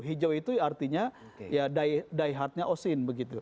hijau itu artinya ya daihatnya osin begitu